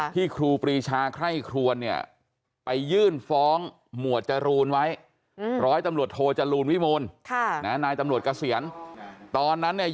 ครูปรีชาไคร่ครวนเนี่ยไปยื่นฟ้องหมวดจรูนไว้ร้อยตำรวจโทจรูลวิมูลนายตำรวจเกษียณตอนนั้นเนี่ย